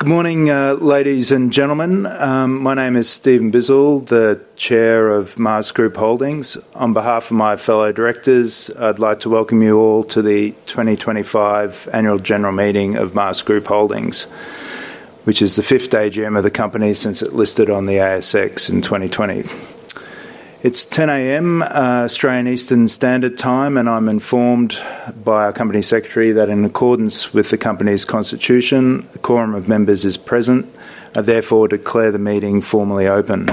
Good morning, ladies and gentlemen. My name is Stephen Bizzell, the Chair of MAAS Group Holdings. On behalf of my fellow directors, I'd like to welcome you all to the 2025 Annual General Meeting of MAAS Group Holdings, which is the fifth AGM of the company since it listed on the ASX in 2020. It's 10:00 A.M. Australian Eastern Standard Time, and I'm informed by our Company Secretary that in accordance with the company's Constitution, a quorum of members is present. I therefore declare the meeting formally open.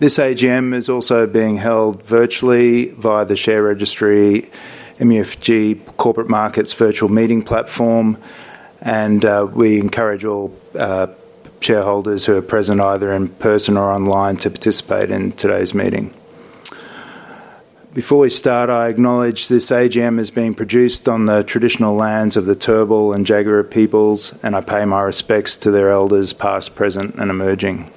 This AGM is also being held virtually via the share registry MUFG Corporate Markets platform, and we encourage all shareholders who are present either in person or online to participate in today's meeting. Before we start, I acknowledge this AGM is being produced on the traditional lands of the Turrbal and Jagera peoples, and I pay my respects to their elders, past, present, and emerging.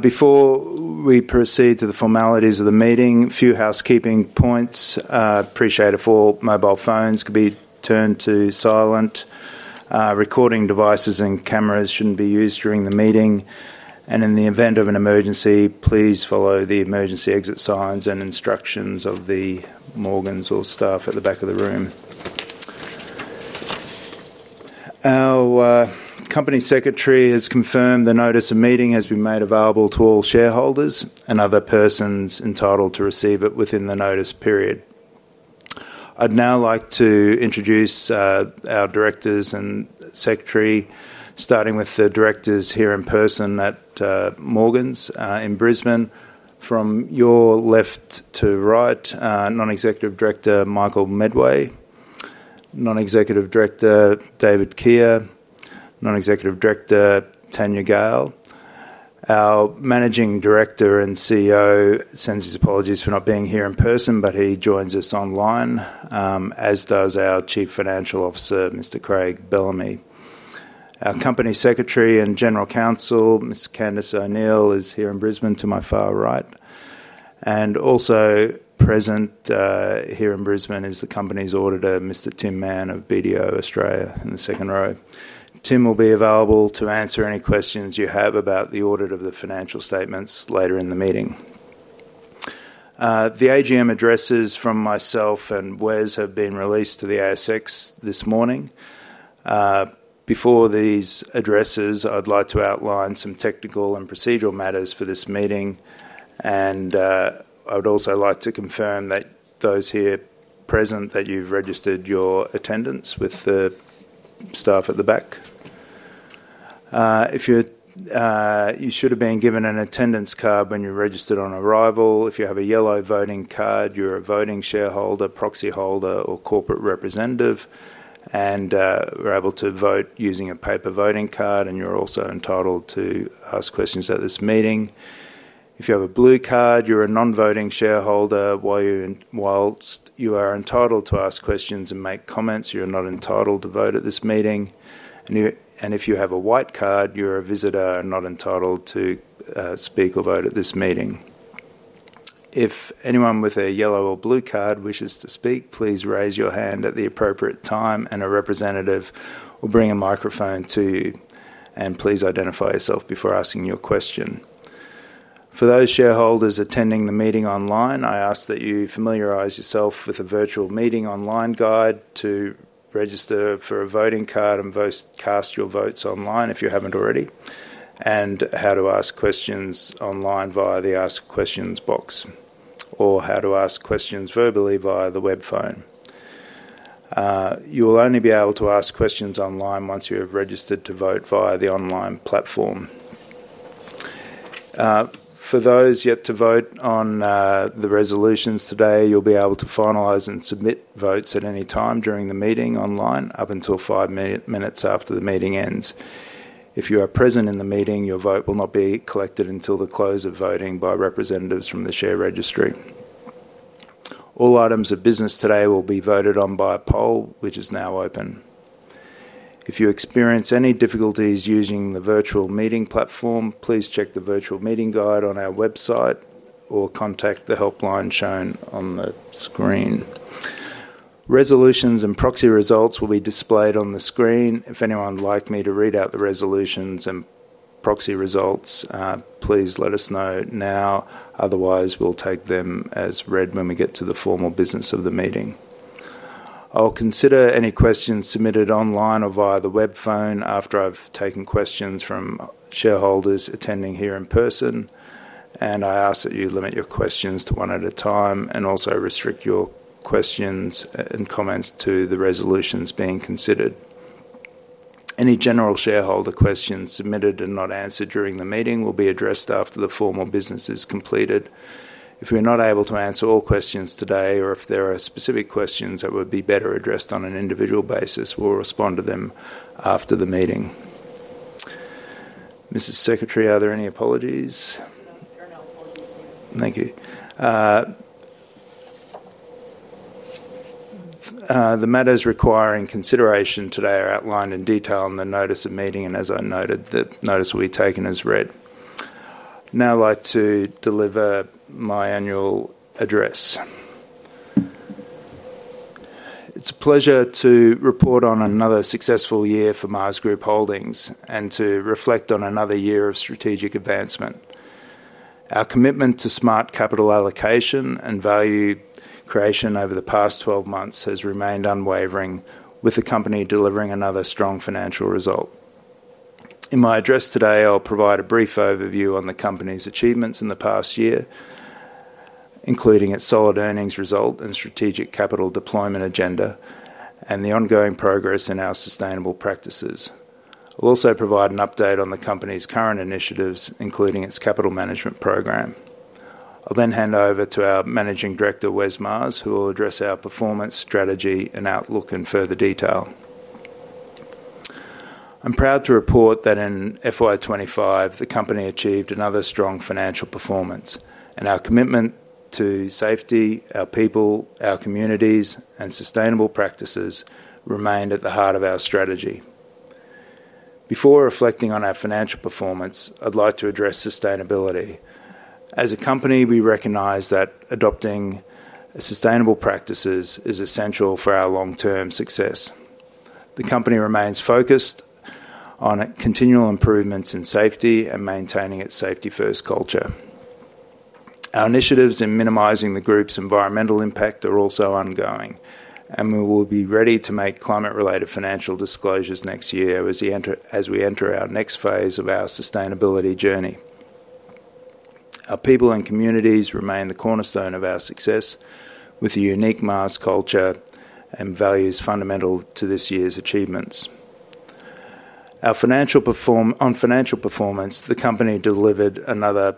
Before we proceed to the formalities of the meeting, a few housekeeping points. Appreciate if all mobile phones could be turned to silent. Recording devices and cameras shouldn't be used during the meeting, and in the event of an emergency, please follow the emergency exit signs and instructions of the Morgans or staff at the back of the room. Our Company Secretary has confirmed the notice of meeting has been made available to all shareholders and other persons entitled to receive it within the notice period. I'd now like to introduce our Directors and Secretary, starting with the Directors here in person at Morgans in Brisbane. From your left to right, Non-Executive Director Michael Medway, Non-Executive Director David Kea, Non-Executive Director Tanya Gale, our Managing Director and CEO sends his apologies for not being here in person, but he joins us online, as does our Chief Financial Officer, Mr. Craig Bellamy. Our Company Secretary and General Counsel, Ms. Candice O'Neill, is here in Brisbane to my far right, and also present here in Brisbane is the Company's Auditor, Mr. Tim Mann of BDO Australia, in the second row. Tim will be available to answer any questions you have about the audit of the financial statements later in the meeting. The AGM addresses from myself and Wes have been released to the ASX this morning. Before these addresses, I'd like to outline some technical and procedural matters for this meeting, and I would also like to confirm that those here present, that you've registered your attendance with the staff at the back. You should have been given an attendance card when you registered on arrival. If you have a yellow voting card, you're a voting shareholder, proxy holder, or corporate representative, and you're able to vote using a paper voting card, and you're also entitled to ask questions at this meeting. If you have a blue card, you're a non-voting shareholder. While you are entitled to ask questions and make comments, you're not entitled to vote at this meeting. If you have a white card, you're a visitor and not entitled to speak or vote at this meeting. If anyone with a yellow or blue card wishes to speak, please raise your hand at the appropriate time, and a representative will bring a microphone to you, and please identify yourself before asking your question. For those shareholders attending the meeting online, I ask that you familiarize yourself with a virtual meeting online guide to register for a voting card and cast your votes online if you haven't already, and how to ask questions online via the ask questions box or how to ask questions verbally via the web phone. You will only be able to ask questions online once you have registered to vote via the online platform. For those yet to vote on the resolutions today, you'll be able to finalize and submit votes at any time during the meeting online up until five minutes after the meeting ends. If you are present in the meeting, your vote will not be collected until the close of voting by representatives from the share registry. All items of business today will be voted on by a poll, which is now open. If you experience any difficulties using the virtual meeting platform, please check the virtual meeting guide on our website or contact the helpline shown on the screen. Resolutions and proxy results will be displayed on the screen. If anyone would like me to read out the resolutions and proxy results, please let us know now. Otherwise, we'll take them as read when we get to the formal business of the meeting. I'll consider any questions submitted online or via the web phone after I've taken questions from shareholders attending here in person, and I ask that you limit your questions to one at a time and also restrict your questions and comments to the resolutions being considered. Any general shareholder questions submitted and not answered during the meeting will be addressed after the formal business is completed. If we are not able to answer all questions today or if there are specific questions that would be better addressed on an individual basis, we'll respond to them after the meeting. Mrs. Secretary, are there any apologies? No, there are no apologies here. Thank you. The matters requiring consideration today are outlined in detail in the notice of meeting, and as I noted, the notice will be taken as read. Now I'd like to deliver my annual address. It's a pleasure to report on another successful year for MAAS Group Holdings and to reflect on another year of strategic advancement. Our commitment to smart capital allocation and value creation over the past 12 months has remained unwavering, with the company delivering another strong financial result. In my address today, I'll provide a brief overview on the company's achievements in the past year, including its solid earnings result and strategic capital deployment agenda, and the ongoing progress in our sustainable practices. I'll also provide an update on the company's current initiatives, including its capital management program. I'll then hand over to our Managing Director, Wes Maas, who will address our performance strategy and outlook in further detail. I'm proud to report that in FY 2025, the company achieved another strong financial performance, and our commitment to safety, our people, our communities, and sustainable practices remained at the heart of our strategy. Before reflecting on our financial performance, I'd like to address sustainability. As a company, we recognize that adopting sustainable practices is essential for our long-term success. The company remains focused on continual improvements in safety and maintaining its safety-first culture. Our initiatives in minimizing the group's environmental impact are also ongoing, and we will be ready to make climate-related financial disclosures next year as we enter our next phase of our sustainability journey. Our people and communities remain the cornerstone of our success, with a unique MAAS culture and values fundamental to this year's achievements. On financial performance, the company delivered another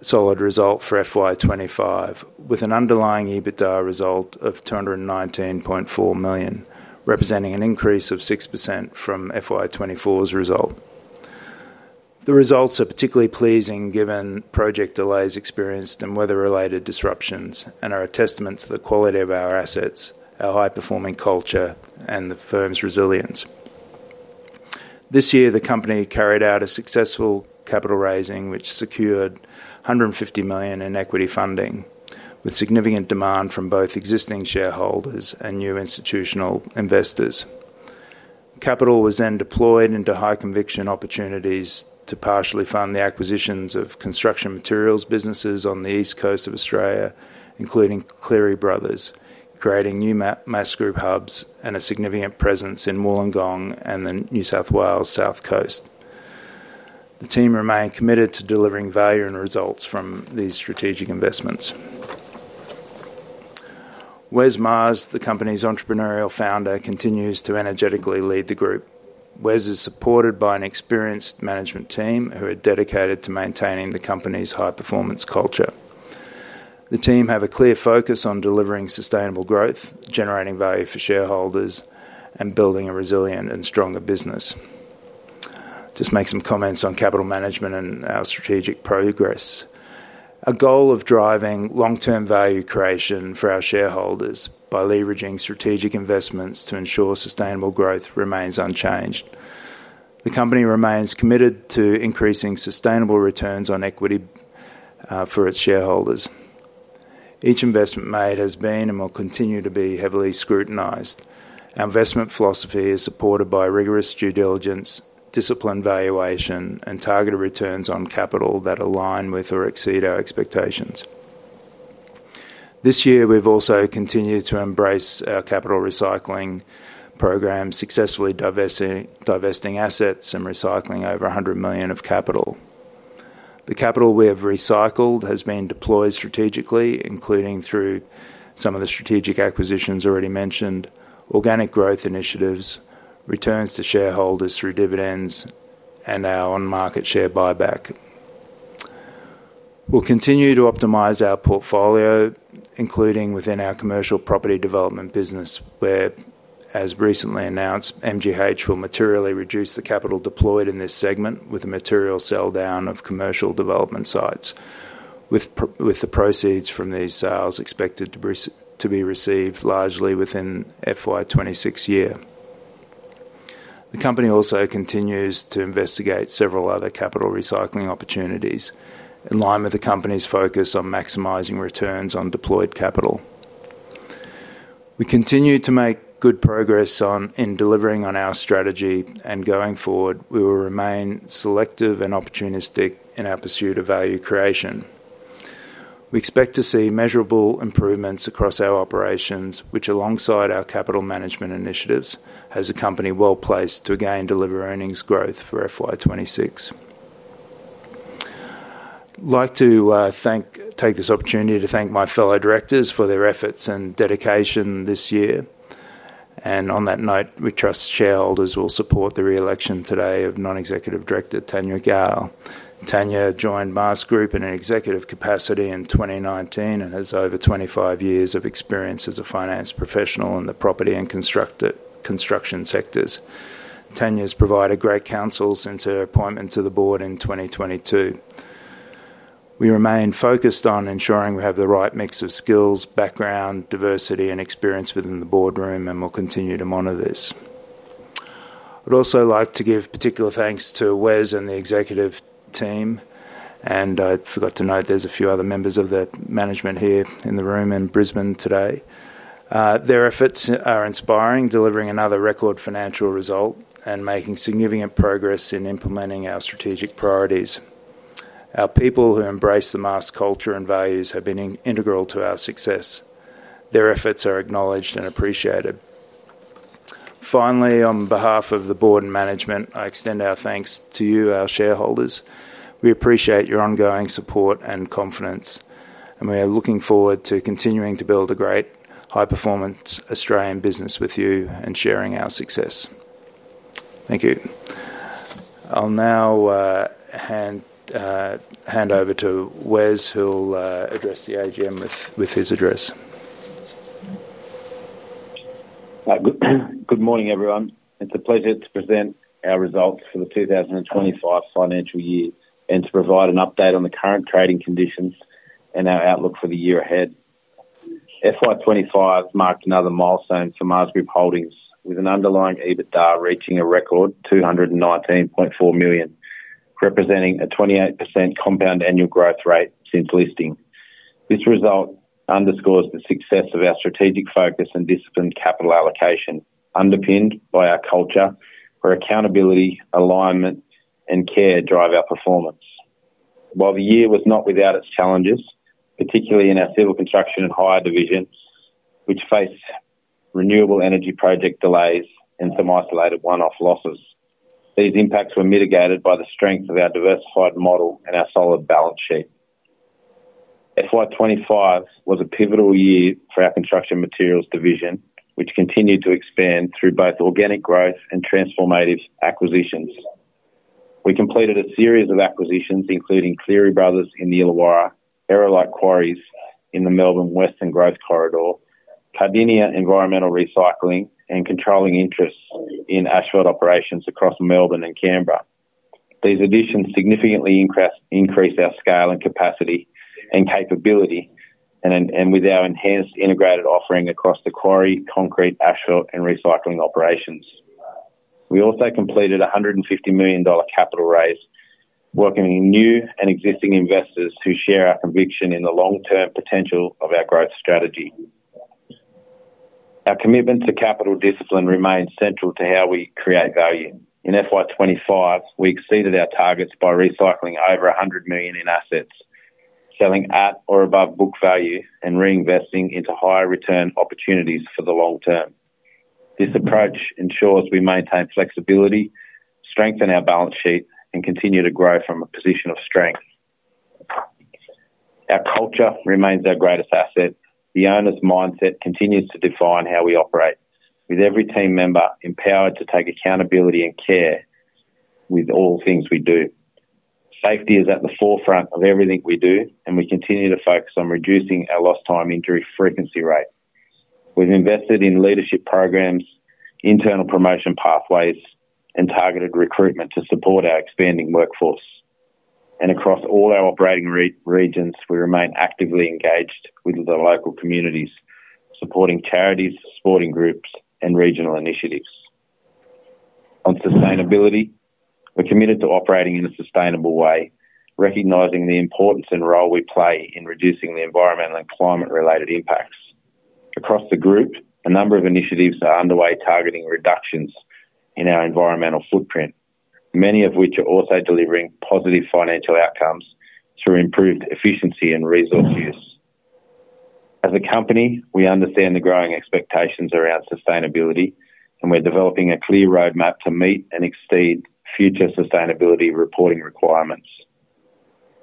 solid result for FY 2025, with an underlying EBITDA result of $219.4 million, representing an increase of 6% from FY 2024's result. The results are particularly pleasing given project delays experienced and weather-related disruptions, and are a testament to the quality of our assets, our high-performing culture, and the firm's resilience. This year, the company carried out a successful capital raising, which secured $150 million in equity funding, with significant demand from both existing shareholders and new institutional investors. Capital was then deployed into high-conviction opportunities to partially fund the acquisitions of construction materials businesses on the East Coast of Australia, including Cleary Bros, creating new MAAS Group hubs and a significant presence in Wollongong and the New South Wales South Coast. The team remained committed to delivering value and results from these strategic investments. Wes Maas, the company's entrepreneurial founder, continues to energetically lead the group. Wes is supported by an experienced management team who are dedicated to maintaining the company's high-performance culture. The team has a clear focus on delivering sustainable growth, generating value for shareholders, and building a resilient and stronger business. Just make some comments on capital management and our strategic progress. Our goal of driving long-term value creation for our shareholders by leveraging strategic investments to ensure sustainable growth remains unchanged. The company remains committed to increasing sustainable returns on equity for its shareholders. Each investment made has been and will continue to be heavily scrutinized. Our investment philosophy is supported by rigorous due diligence, disciplined valuation, and targeted returns on capital that align with or exceed our expectations. This year, we've also continued to embrace our capital recycling program, successfully divesting assets and recycling over $100 million of capital. The capital we have recycled has been deployed strategically, including through some of the strategic acquisitions already mentioned, organic growth initiatives, returns to shareholders through dividends, and our on-market share buyback. We'll continue to optimize our portfolio, including within our commercial property development business, where, as recently announced, MG will materially reduce the capital deployed in this segment with a material sell down of commercial development sites, with the proceeds from these sales expected to be received largely within the FY 2026 year. The company also continues to investigate several other capital recycling opportunities in line with the company's focus on maximizing returns on deployed capital. We continue to make good progress in delivering on our strategy, and going forward, we will remain selective and opportunistic in our pursuit of value creation. We expect to see measurable improvements across our operations, which alongside our capital management initiatives has a company well placed to again deliver earnings growth for FY 2026. I'd like to take this opportunity to thank my fellow Directors for their efforts and dedication this year, and on that note, we trust shareholders will support the re-election today of Non-Executive Director Tanya Gale. Tanya joined MAAS Group in an executive capacity in 2019 and has over 25 years of experience as a finance professional in the property and construction sectors. Tanya has provided great counsel since her appointment to the Board in 2022. We remain focused on ensuring we have the right mix of skills, background, diversity, and experience within the boardroom, and we'll continue to monitor this. I'd also like to give particular thanks to Wes and the executive team, and I forgot to note there's a few other members of the management here in the room in Brisbane today. Their efforts are inspiring, delivering another record financial result and making significant progress in implementing our strategic priorities. Our people who embrace the MAAS culture and values have been integral to our success. Their efforts are acknowledged and appreciated. Finally, on behalf of the Board and management, I extend our thanks to you, our shareholders. We appreciate your ongoing support and confidence, and we are looking forward to continuing to build a great high-performance Australian business with you and sharing our success. Thank you. I'll now hand over to Wes, who'll address the AGM with his address. Good morning, everyone. It's a pleasure to present our results for the 2025 financial year and to provide an update on the current trading conditions and our outlook for the year ahead. FY 2025 marked another milestone for MAAS Group Holdings, with an underlying EBITDA reaching a record $219.4 million, representing a 28% CAGR since listing. This result underscores the success of our strategic focus and disciplined capital allocation, underpinned by our culture, where accountability, alignment, and care drive our performance. While the year was not without its challenges, particularly in our civil construction and hire division, which faced renewable energy project delays and some isolated one-off losses, these impacts were mitigated by the strength of our diversified model and our solid balance sheet. FY 2025 was a pivotal year for our construction materials division, which continued to expand through both organic growth and transformative acquisitions. We completed a series of acquisitions, including Cleary Bros in the Illawarra, Aerolite Quarries in the Melbourne Western Growth Corridor, Cardinia Environmental Recycling, and controlling interests in Ashford operations across Melbourne and Canberra. These additions significantly increased our scale and capacity and capability, and with our enhanced integrated offering across the quarry, concrete, asphalt, and recycling operations. We also completed a $150 million capital raise, welcoming new and existing investors who share our conviction in the long-term potential of our growth strategy. Our commitment to capital discipline remains central to how we create value. In FY 2025, we exceeded our targets by recycling over $100 million in assets, selling at or above book value, and reinvesting into higher return opportunities for the long term. This approach ensures we maintain flexibility, strengthen our balance sheet, and continue to grow from a position of strength. Our culture remains our greatest asset. The owner's mindset continues to define how we operate, with every team member empowered to take accountability and care with all things we do. Safety is at the forefront of everything we do, and we continue to focus on reducing our lost time injury frequency rate. We've invested in leadership programs, internal promotion pathways, and targeted recruitment to support our expanding workforce. Across all our operating regions, we remain actively engaged with the local communities, supporting charities, sporting groups, and regional initiatives. On sustainability, we're committed to operating in a sustainable way, recognizing the importance and role we play in reducing the environmental and climate-related impacts. Across the group, a number of initiatives are underway targeting reductions in our environmental footprint, many of which are also delivering positive financial outcomes through improved efficiency and resource use. As a company, we understand the growing expectations around sustainability, and we're developing a clear roadmap to meet and exceed future sustainability reporting requirements.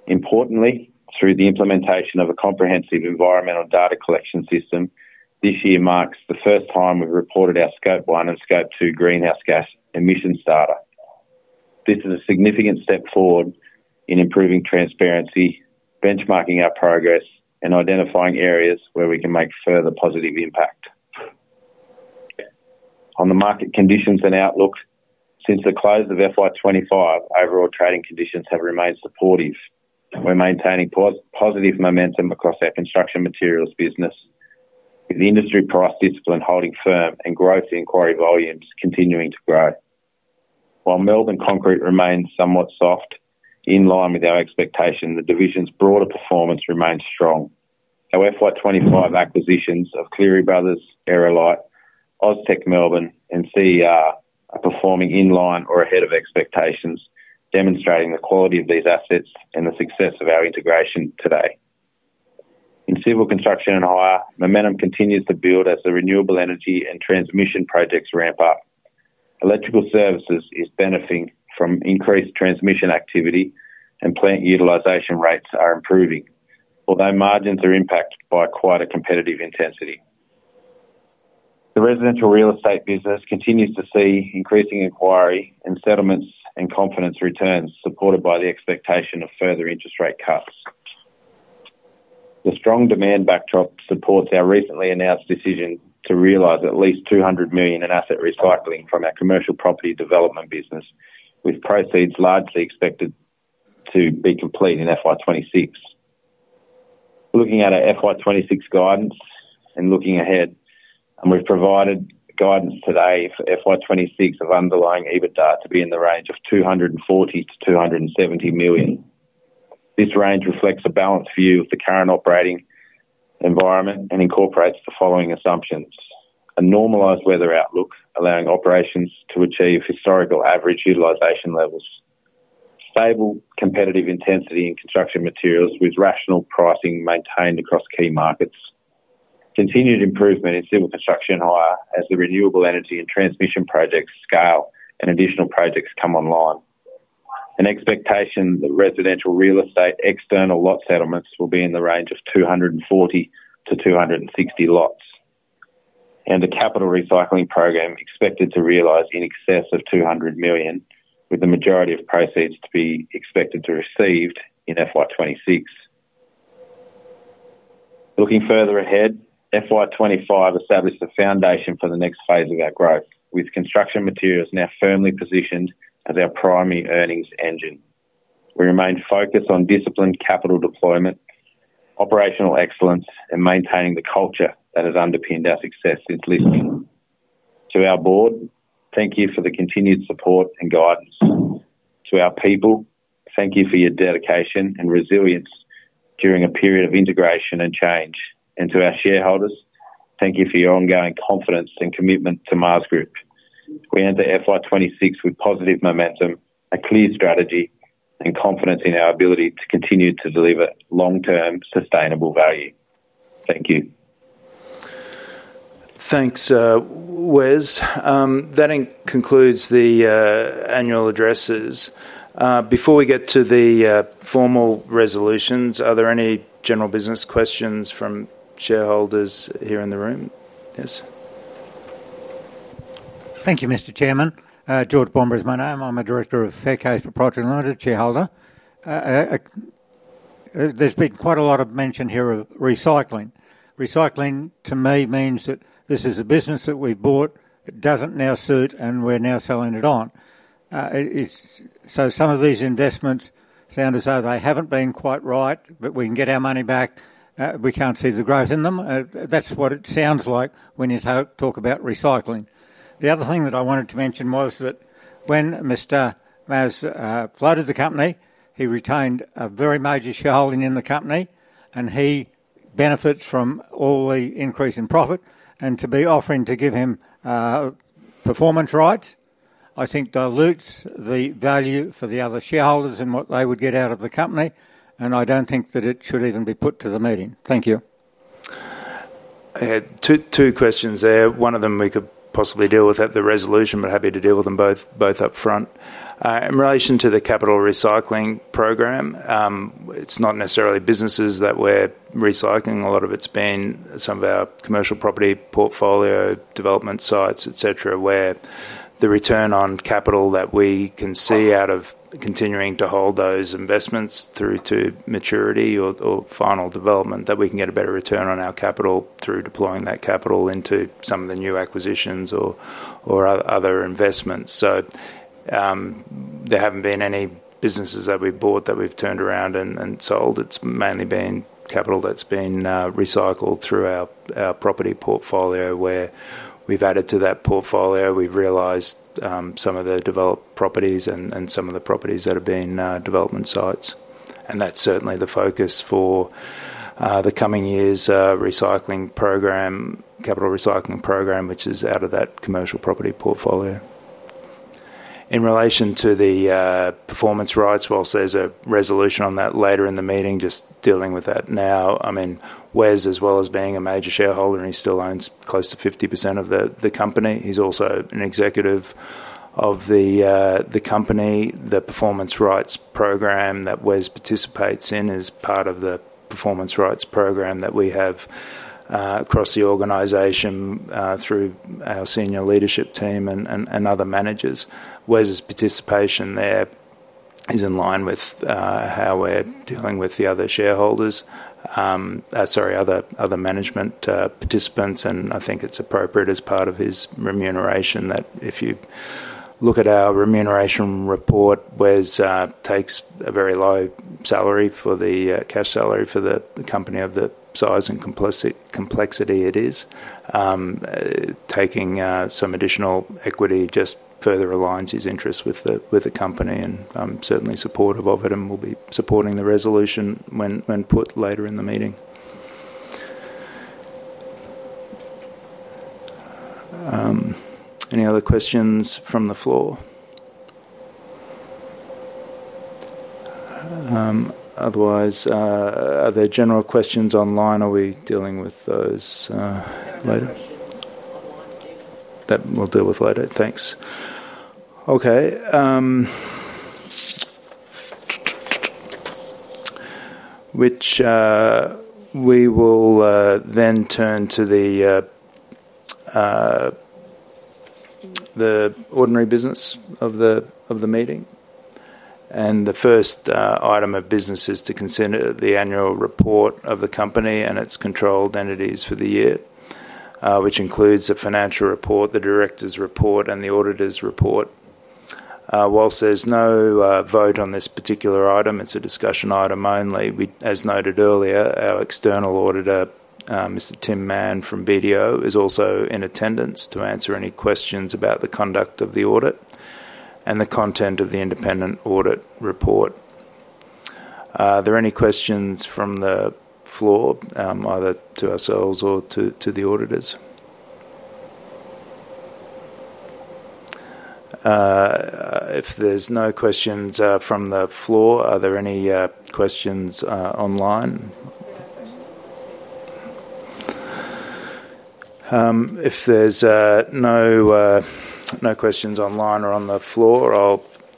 Importantly, through the implementation of a comprehensive environmental data collection system, this year marks the first time we've reported our scope 1 and scope 2 greenhouse gas emissions data. This is a significant step forward in improving transparency, benchmarking our progress, and identifying areas where we can make further positive impact. On the market conditions and outlook, since the close of FY 2025, overall trading conditions have remained supportive. We're maintaining positive momentum across our construction materials business, with industry price discipline holding firm and growth in quarry volumes continuing to grow. While Melbourne concrete remains somewhat soft, in line with our expectation, the division's broader performance remains strong. Our FY 2025 acquisitions of Cleary Bros, Aerolite, Austek Melbourne, and CER are performing in line or ahead of expectations, demonstrating the quality of these assets and the success of our integration today. In civil construction and hire, momentum continues to build as the renewable energy and transmission projects ramp up. Electrical services are benefiting from increased transmission activity, and plant utilization rates are improving, although margins are impacted by quite a competitive intensity. The residential real estate business continues to see increasing inquiry and settlements and confidence returns, supported by the expectation of further interest rate cuts. The strong demand backdrop supports our recently announced decision to realize at least $200 million in asset recycling from our commercial property development business, with proceeds largely expected to be complete in FY 2026. Looking at our FY 2026 guidance and looking ahead, we've provided guidance today for FY 2026 of underlying EBITDA to be in the range of $240 million-$270 million. This range reflects a balanced view of the current operating environment and incorporates the following assumptions: a normalized weather outlook allowing operations to achieve historical average utilization levels, stable competitive intensity in construction materials with rational pricing maintained across key markets, continued improvement in civil construction and hire as the renewable energy and transmission projects scale and additional projects come online, an expectation that residential real estate external lot settlements will be in the range of 240-260 lots, and a capital recycling program expected to realize in excess of $200 million, with the majority of proceeds to be expected to be received in FY 2026. Looking further ahead, FY 2025 established the foundation for the next phase of our growth, with construction materials now firmly positioned as our primary earnings engine. We remain focused on disciplined capital deployment, operational excellence, and maintaining the culture that has underpinned our success since listing. To our Board, thank you for the continued support and guidance. To our people, thank you for your dedication and resilience during a period of integration and change. To our shareholders, thank you for your ongoing confidence and commitment to MAAS Group. We enter FY 2026 with positive momentum, a clear strategy, and confidence in our ability to continue to deliver long-term sustainable value. Thank you. Thanks, Wes. That concludes the annual addresses. Before we get to the formal resolutions, are there any general business questions from shareholders here in the room? Yes. Thank you, Mr. Chairman. [George Bombard] is my name. I'm a Director of [Faircase Proprietary], shareholder. There's been quite a lot of mention here of recycling. Recycling, to me, means that this is a business that we bought, it doesn't now suit, and we're now selling it on. Some of these investments sound as though they haven't been quite right, but we can get our money back. We can't see the growth in them. That's what it sounds like when you talk about recycling. The other thing that I wanted to mention was that when Mr. Maas floated the company, he retained a very major shareholding in the company, and he benefits from all the increase in profit, and to be offering to give him performance rights, I think dilutes the value for the other shareholders and what they would get out of the company, and I don't think that it should even be put to the meeting. Thank you. I had two questions there. One of them we could possibly deal with at the resolution, but happy to deal with them both up front. In relation to the capital recycling program, it's not necessarily businesses that we're recycling. A lot of it's been some of our commercial property portfolio, development sites, etc., where the return on capital that we can see out of continuing to hold those investments through to maturity or final development, that we can get a better return on our capital through deploying that capital into some of the new acquisitions or other investments. There haven't been any businesses that we bought that we've turned around and sold. It's mainly been capital that's been recycled through our property portfolio, where we've added to that portfolio, we've realized some of the developed properties and some of the properties that have been development sites. That's certainly the focus for the coming year's capital recycling program, which is out of that commercial property portfolio. In relation to the performance rights, whilst there's a resolution on that later in the meeting, just dealing with that now, I mean, Wes, as well as being a major shareholder, and he still owns close to 50% of the company, he's also an executive of the company. The performance rights program that Wes participates in is part of the performance rights program that we have across the organization through our senior leadership team and other managers. Wes's participation there is in line with how we're dealing with the other shareholders, sorry, other management participants, and I think it's appropriate as part of his remuneration that if you look at our remuneration report, Wes takes a very low salary for the cash salary for the company, of the size and complexity it is. Taking some additional equity just further aligns his interests with the company and I'm certainly supportive of it and will be supporting the resolution when put later in the meeting. Any other questions from the floor? Otherwise, are there general questions online or are we dealing with those later? That we'll deal with later. Thanks. Okay. Which we will then turn to the ordinary business of the meeting. The first item of business is to consider the annual report of the company and its controlled entities for the year, which includes a financial report, the director's report, and the auditor's report. Whilst there's no vote on this particular item, it's a discussion item only. As noted earlier, our external auditor, Mr. Tim Mann from BDO Australia, is also in attendance to answer any questions about the conduct of the audit and the content of the independent audit report. Are there any questions from the floor, either to ourselves or to the auditors? If there's no questions from the floor, are there any questions online? If there's no questions online or on the floor,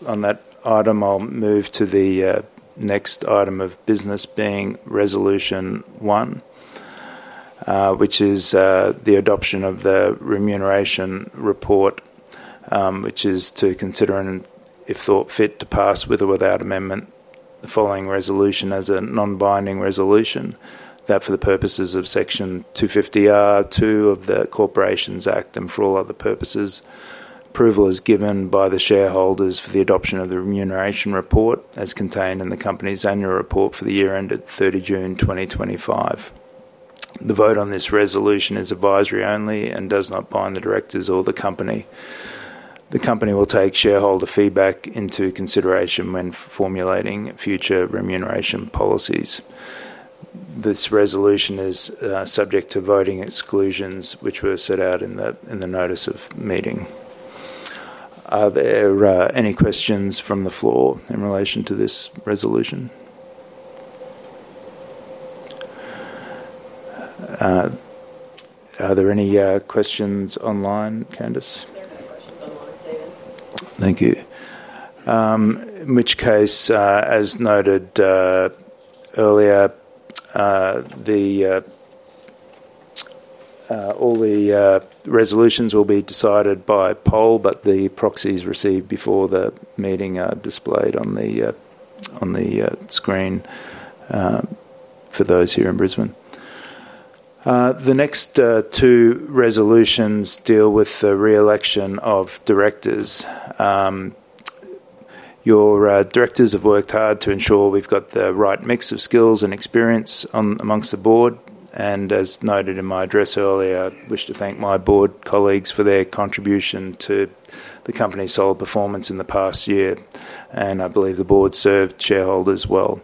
on that item, I'll move to the next item of business being resolution one, which is the adoption of the remuneration report, which is to consider and if thought fit to pass with or without amendment the following resolution as a non-binding resolution that for the purposes of section 250(a)(2) of the Corporations Act and for all other purposes, approval is given by the shareholders for the adoption of the remuneration report as contained in the company's annual report for the year ended 30 June 2025. The vote on this resolution is advisory only and does not bind the directors or the company. The company will take shareholder feedback into consideration when formulating future remuneration policies. This resolution is subject to voting exclusions, which were set out in the notice of meeting. Are there any questions from the floor in relation to this resolution? Are there any questions online? Candice? There are no questions online, Stephen. Thank you. In which case, as noted earlier, all the resolutions will be decided by poll, but the proxies received before the meeting are displayed on the screen for those here in Brisbane. The next two resolutions deal with the reelection of directors. Your directors have worked hard to ensure we've got the right mix of skills and experience amongst the board, and as noted in my address earlier, I wish to thank my board colleagues for their contribution to the company's solid performance in the past year, and I believe the board served shareholders well.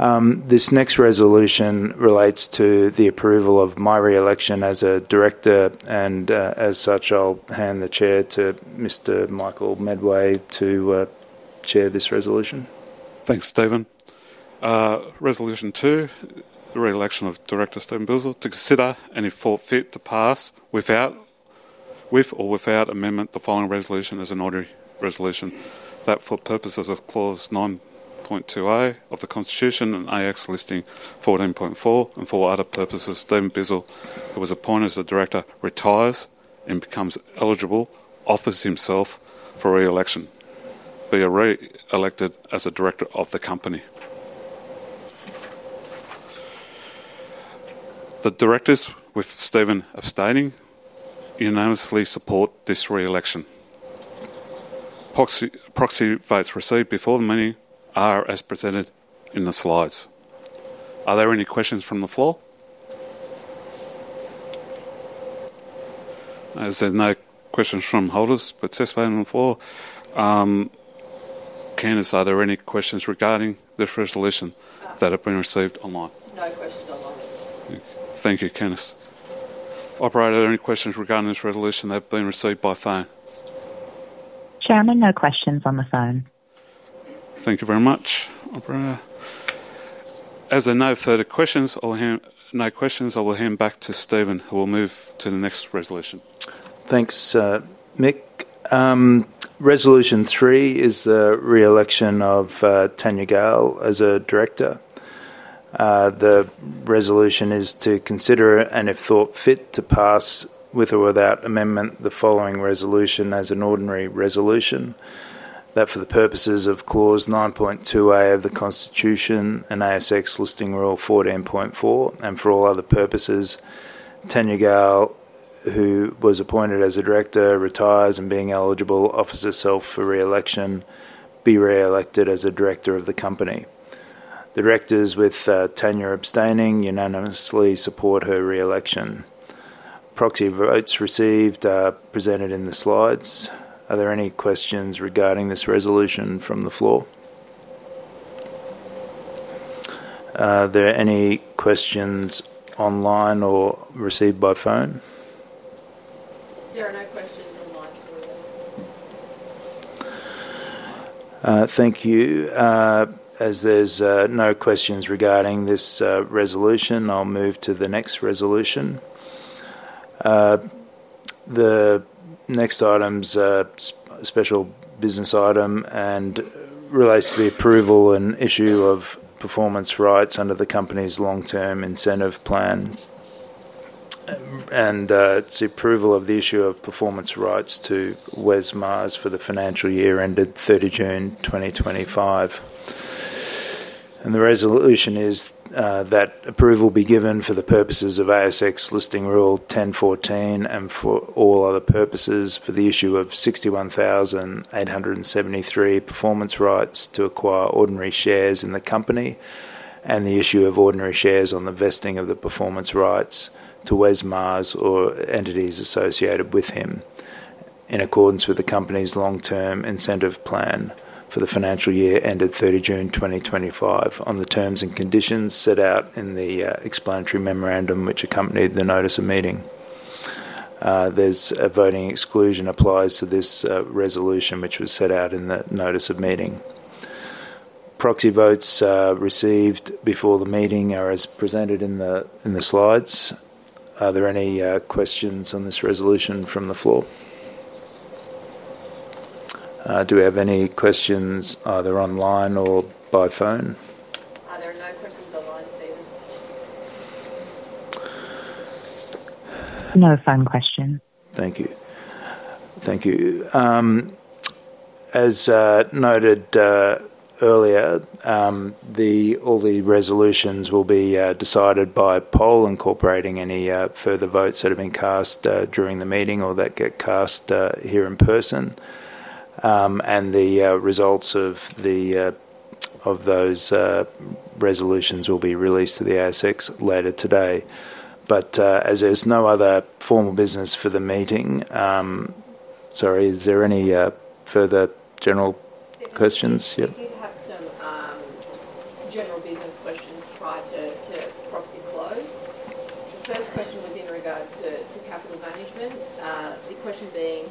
This next resolution relates to the approval of my reelection as a director, and as such, I'll hand the chair to Mr. Michael Medway to chair this resolution. Thanks, Stephen. Resolution two, the reelection of Director Stephen Bizzell, to consider and if thought fit to pass with or without amendment the following resolution as an ordinary resolution that for purposes of clause 9.2(a) of the Constitution and ASX listing 14.4, and for other purposes, Stephen Bizzell, who was appointed as a director, retires and becomes eligible, offers himself for reelection, be reelected as a director of the company. The directors, with Stephen abstaining, unanimously support this reelection. Proxy votes received before the meeting are as presented in the slides. Are there any questions from the floor? There's no questions from holders participating on the floor. Candice, are there any questions regarding this resolution that have been received online? No questions online. Thank you, Candice. Operator, are there any questions regarding this resolution that have been received by phone? Chairman, no questions on the phone. Thank you very much, Operator. As there are no further questions, I will hand back to Stephen, who will move to the next resolution. Thanks, Mick. Resolution three is the reelection of Tanya Gale as a Director. The resolution is to consider and, if thought fit, to pass with or without amendment the following resolution as an ordinary resolution: that for the purposes of clause 9.2(a) of the Constitution and ASX Listing Rule 14.4, and for all other purposes, Tanya Gale, who was appointed as a Director, retires and, being eligible, offers herself for reelection, be reelected as a Director of the company. The Directors, with Tanya abstaining, unanimously support her reelection. Proxy votes received are presented in the slides. Are there any questions regarding this resolution from the floor? Are there any questions online or received by phone? There are no questions online, supported by the floor. Thank you. As there's no questions regarding this resolution, I'll move to the next resolution. The next item's a special business item and relates to the approval and issue of performance rights under the company's long-term incentive plan, and it's the approval of the issue of performance rights to Wes Maas for the financial year ended 30 June 2025. The resolution is that approval be given for the purposes of ASX listing rule 10.14 and for all other purposes for the issue of 61,873 performance rights to acquire ordinary shares in the company and the issue of ordinary shares on the vesting of the performance rights to Wes Maas or entities associated with him in accordance with the company's long-term incentive plan for the financial year ended 30 June 2025 on the terms and conditions set out in the explanatory memorandum which accompanied the notice of meeting. There's a voting exclusion applies to this resolution which was set out in the notice of meeting. Proxy votes received before the meeting are as presented in the slides. Are there any questions on this resolution from the floor? Do we have any questions either online or by phone? There are no questions online, Stephen. No phone question. Thank you. Thank you. As noted earlier, all the resolutions will be decided by poll, incorporating any further votes that have been cast during the meeting or that get cast here in person, and the results of those resolutions will be released to the ASX later today. As there's no other formal business for the meeting, sorry, is there any further general questions? We did have some general business questions prior to proxy close. The first question was in regards to capital management. The question being,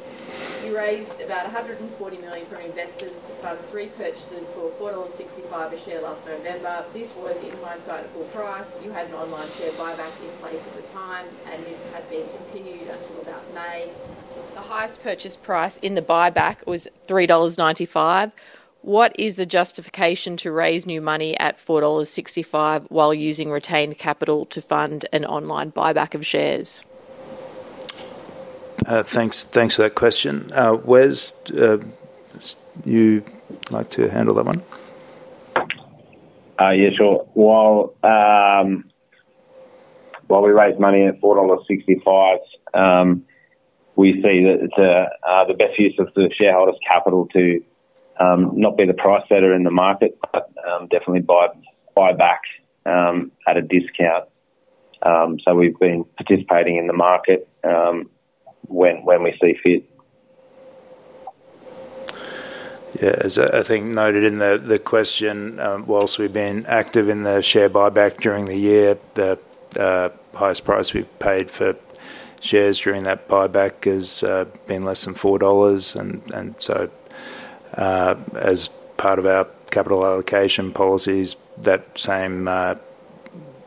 you raised about $140 million from investors to fund three purchases for $4.65 a share last November. This was in hindsight a full price. You had an online share buyback in place at the time, and this had been continued until about May. The highest purchase price in the buyback was $3.95. What is the justification to raise new money at $4.65 while using retained capital to fund an online buyback of shares? Thanks for that question. Wes, would you like to handle that one? Yeah, sure. While we raised money at $4.65, we see that it's the best use of the shareholders' capital to not be the price setter in the market, but definitely buy back at a discount. We've been participating in the market when we see fit. As I think noted in the question, whilst we've been active in the share buyback during the year, the highest price we've paid for shares during that buyback has been less than $4. As part of our capital allocation policies, that same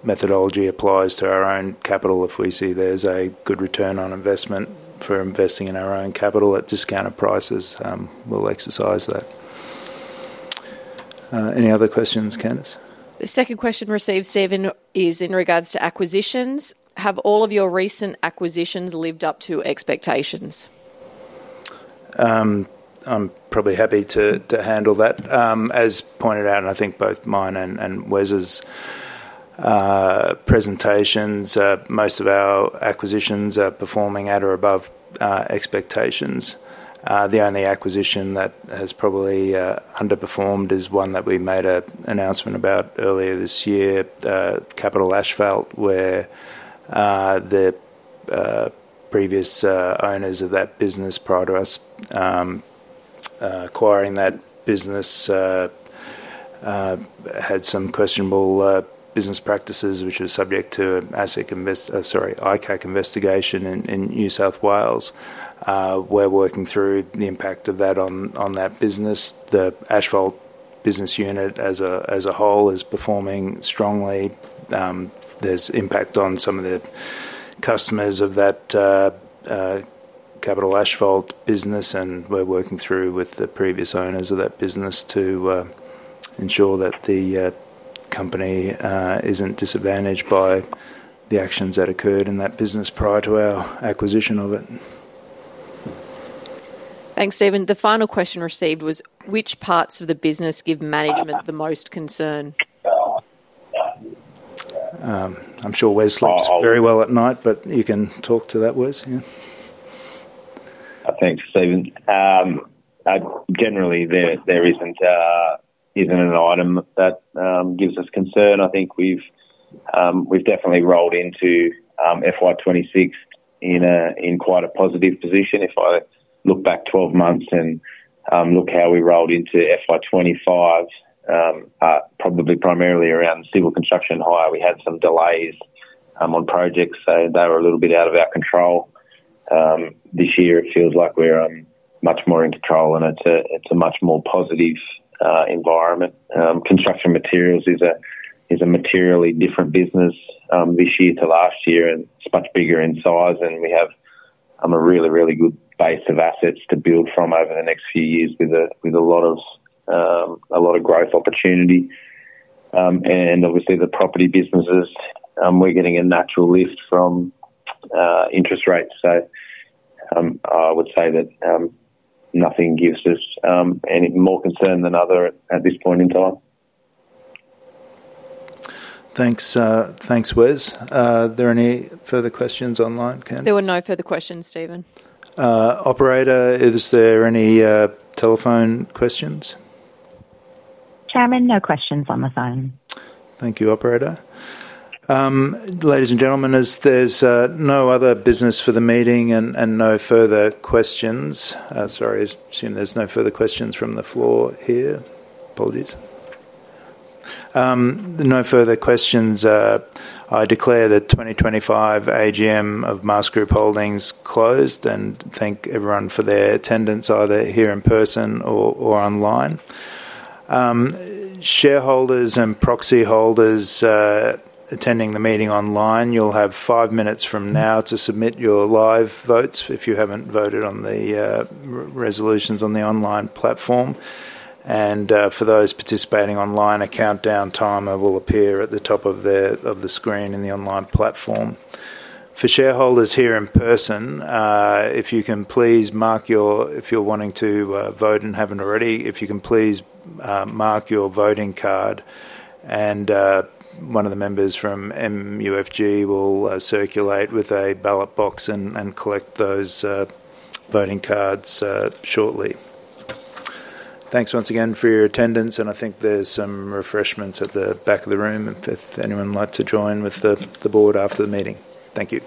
methodology applies to our own capital. If we see there's a good return on investment for investing in our own capital at discounted prices, we'll exercise that. Any other questions, Candice? The second question received, Stephen, is in regards to acquisitions. Have all of your recent acquisitions lived up to expectations? I'm probably happy to handle that. As pointed out, and I think both mine and Wes's presentations, most of our acquisitions are performing at or above expectations. The only acquisition that has probably underperformed is one that we made an announcement about earlier this year, Capital Asphalt, where the previous owners of that business prior to us acquiring that business had some questionable business practices, which are subject to an ICAC investigation in New South Wales. We're working through the impact of that on that business. The Asphalt business unit as a whole is performing strongly. There's impact on some of the customers of that Capital Asphalt business, and we're working through with the previous owners of that business to ensure that the company isn't disadvantaged by the actions that occurred in that business prior to our acquisition of it. Thanks, Stephen. The final question received was, which parts of the business give management the most concern? I'm sure Wes sleeps very well at night, but you can talk to that, Wes. Thanks, Stephen. Generally, there isn't an item that gives us concern. I think we've definitely rolled into FY 2026 in quite a positive position. If I look back 12 months and look how we rolled into FY 2025, probably primarily around the civil construction and hire, we had some delays on projects, so they were a little bit out of our control. This year, it feels like we're much more in control, and it's a much more positive environment. Construction materials is a materially different business this year to last year, and it's much bigger in size, and we have a really, really good base of assets to build from over the next few years with a lot of growth opportunity. Obviously, the property businesses, we're getting a natural lift from interest rates, so I would say that nothing gives us any more concern than other at this point in time. Thanks, Wes. Are there any further questions online? There were no further questions, Stephen. Operator, is there any telephone questions? Chairman, no questions on the phone. Thank you, Operator. Ladies and gentlemen, as there's no other business for the meeting and no further questions, I assume there's no further questions from the floor here. Apologies. No further questions. I declare the 2025 AGM of MAAS Group Holdings closed, and thank everyone for their attendance, either here in person or online. Shareholders and proxy holders attending the meeting online, you'll have five minutes from now to submit your live votes if you haven't voted on the resolutions on the online platform. For those participating online, a countdown timer will appear at the top of the screen in the online platform. For shareholders here in person, if you can please mark your, if you're wanting to vote and haven't already, if you can please mark your voting card, and one of the members from MUFG will circulate with a ballot box and collect those voting cards shortly. Thanks once again for your attendance, and I think there's some refreshments at the back of the room if anyone would like to join with the board after the meeting. Thank you.